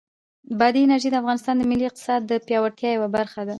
بادي انرژي د افغانستان د ملي اقتصاد د پیاوړتیا یوه مهمه برخه ده.